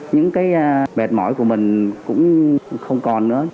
những cái mệt mỏi của mình cũng không còn nữa